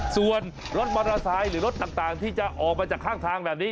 ส่วนรถมอเตอร์ไซค์หรือรถต่างที่จะออกมาจากข้างทางแบบนี้